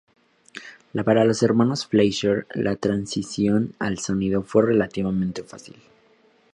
Para los hermanos Fleischer, la transición al sonido fue relativamente fácil.